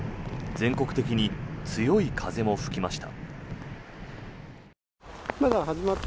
全国的に強い風も吹きました。